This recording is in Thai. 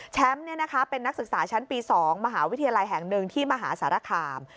เป็นนักศึกษาชั้นปี๒มหาวิทยาลัยแห่งหนึ่งที่มหาสารคาม